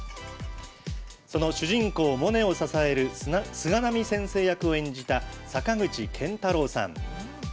その主人公、モネを支える菅波先生役を演じた坂口健太郎さん。